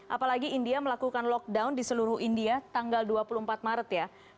apalagi india melakukan lockdown di seluruh india tanggal dua puluh empat maret ya